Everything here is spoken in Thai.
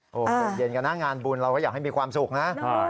ตื่นเย็นกันนะงานบุญเราก็อยากให้มีความสุขนะ